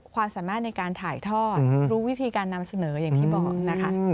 ความสามารถในการถ่ายทอดรู้วิธีการนำเสนออย่างที่บอกนะคะ